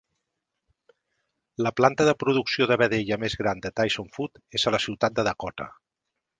La planta de producció de vedella més gran de Tyson Food és a la ciutat de Dakota.